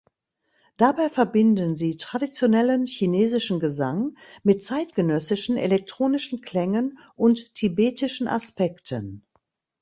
Dabei verbinden sie traditionellen chinesischen Gesang mit zeitgenössischen elektronischen Klängen und tibetischen Aspekten.